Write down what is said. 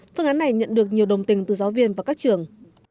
phương án này nhận được nhiều đồng tình từ giáo viên và các trường